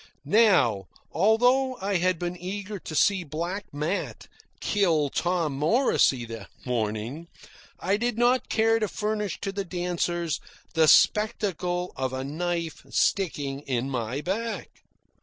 Now, although I had been eager to see Black Matt kill Tom Morrisey that morning, I did not care to furnish to the dancers the spectacle of a knife sticking in my back.